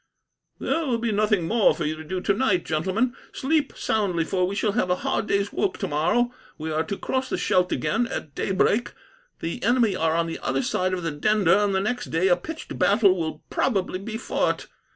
"There will be nothing more for you to do, tonight, gentlemen. Sleep soundly, for we shall have a hard day's work tomorrow. We are to cross the Scheldt again at daybreak. The enemy are on the other side of the Dender, and the next day a pitched battle will probably be fought.